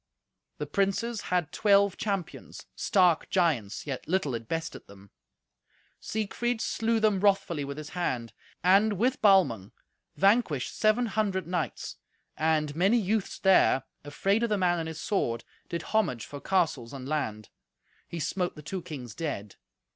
The princes had twelve champions—stark giants, yet little it bested them. Siegfried slew them wrathfully with his hand, and, with Balmung, vanquished seven hundred knights; and many youths there, afraid of the man and his sword, did homage for castles and land. He smote the two kings dead.